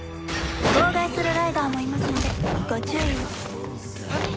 妨害するライダーもいますのでご注意を。